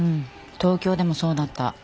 東京でもそうだった。